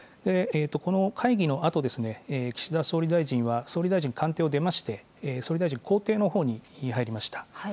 この会議のあと、岸田総理大臣は、総理大臣官邸を出まして、総理大臣公邸のほうに入りました。